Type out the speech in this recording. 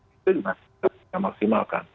itu juga kita maksimalkan